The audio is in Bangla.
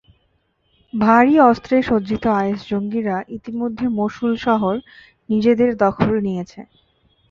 ভারী অস্ত্রে সজ্জিত আইএস জঙ্গিরা ইতিমধ্যে মসুল শহর নিজেদের দখলে নিয়েছে।